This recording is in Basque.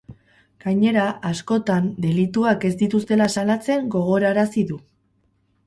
Gainera, askotan, delituak ez dituztela salatzen gogorarazi du.